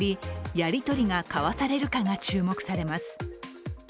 やり取りが交わされるかが注目されます。